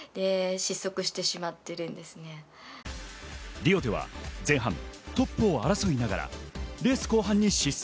リオでは前半トップを争いながら、レース後半に失速。